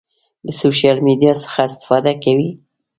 د سوشل میډیا څخه استفاده کوئ؟